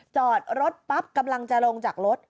จอดรถปั๊บกำลังจะลงจากรถ